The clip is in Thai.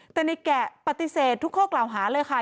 แต่ในแกะปฏิเสธทุกข้อกล่าวหาเลยค่ะ